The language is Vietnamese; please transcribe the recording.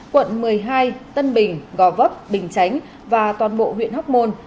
quận một mươi hai tân bình gò vấp bình chánh và toàn bộ huyện hóc môn